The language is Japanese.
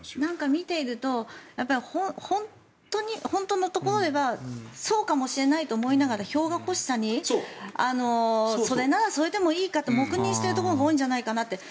見ていると本当のところではそうかもしれないと思いながら票欲しさにそれならそれでもいいかと黙認しているところが多いんじゃないかって。